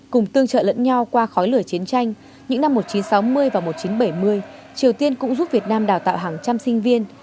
cùng tương trợ lẫn nhau qua khói lửa chiến tranh những năm một nghìn chín trăm sáu mươi và một nghìn chín trăm bảy mươi triều tiên cũng giúp việt nam đào tạo hàng trăm sinh viên